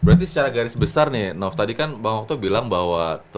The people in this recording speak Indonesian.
berarti secara garis besar nih nof tadi kan bapak waktu itu bilang bahwa